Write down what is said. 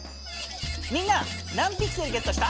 みんな何ピクセルゲットした？